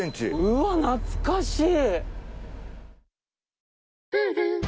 うわ懐かしい！